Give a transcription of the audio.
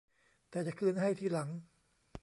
แต่จะคืนให้ทีหลัง